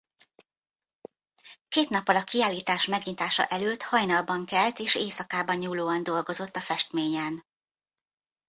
Két nappal a kiállítás megnyitása előtt hajnalban kelt és éjszakába nyúlóan dolgozott a festményen.